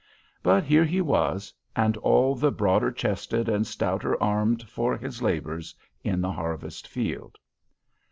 But here he was, and all the broader chested and stouter armed for his labors in the harvest field.